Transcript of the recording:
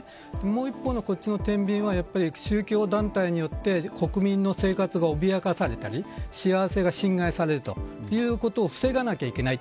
もう一方のてんびんは宗教団体によって国民の生活が脅かされたり幸せが侵害されるということを防がなければいけない。